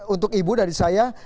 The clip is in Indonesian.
untuk ibu dari saya